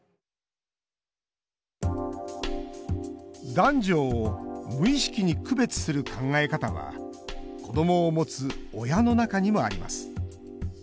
男女を無意識に区別する考え方は子どもを持つ親の中にもあります。